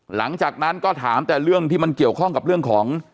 หลังจากนั้นก็ถามแต่เรื่องที่มันเกี่ยวข้องกับเรื่องของ